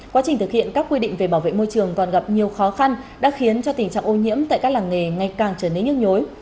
quá trình thực hiện các quy định về bảo vệ môi trường còn gặp nhiều khó khăn đã khiến cho tình trạng ô nhiễm tại các làng nghề ngày càng trở nên nhức nhối